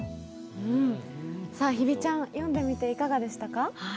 日比ちゃん、読んでみていかがでしたか？